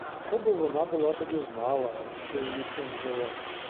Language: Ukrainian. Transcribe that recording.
Коби вона була тоді знала, що її син живе.